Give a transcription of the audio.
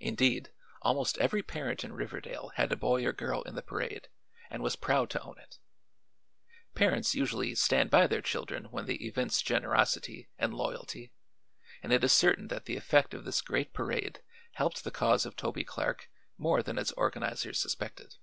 Indeed, almost every parent in Riverdale had a boy or girl in the parade and was proud to own it. Parents usually stand by their children when they evince generosity and loyalty and it is certain that the effect of this great parade helped the cause of Toby Clark more than its organizers suspected.